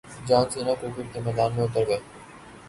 جان Cena cricket کے میدان میں اتر گئے